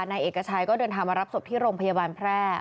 นายเอกชัยก็เดินทางมารับศพที่โรงพยาบาลแพร่